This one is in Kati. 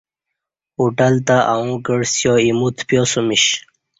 ہوٹل تہ اݣا کعسیا ایمو تپیاسمیش